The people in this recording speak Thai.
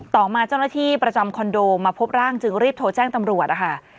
ต่อมาเจ้าหน้าที่ประจำคอนโดมาพบร่างจึงรีบโทรแจ้งตำรวจนะคะ